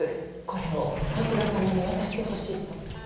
これを十津川様に渡してほしいと。